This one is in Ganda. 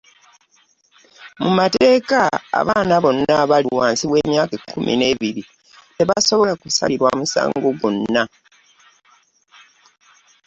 Mu mateeka abaana bonna abali wansi w’emyaaka ekkumi n’ebiri tebasobola kusalirwa musango gwonna.